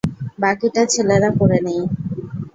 বাকিটা ছেলেরা করে নেয়।